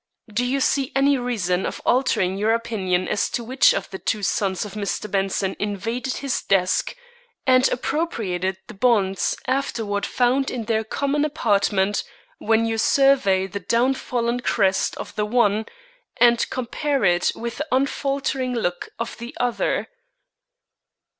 Do you see any reason for altering your opinion as to which of the two sons of Mr. Benson invaded his desk and appropriated the bonds afterward found in their common apartment, when you survey the downfallen crest of the one and compare it with the unfaltering look of the other?"